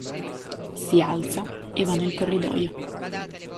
Si alza e va nel corridoio.